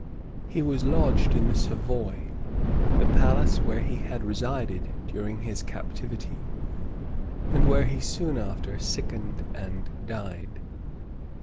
{1364.} He was lodged in the Savoy; the palace where he had resided during his captivity, and where he soon after sickened and died.